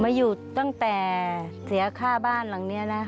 มาอยู่ตั้งแต่เสียค่าบ้านหลังนี้นะ